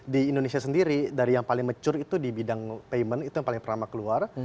di indonesia sendiri dari yang paling mature itu di bidang payment itu yang paling pertama keluar